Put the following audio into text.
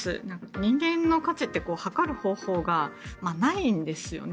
人間の価値って測る方法がないんですよね。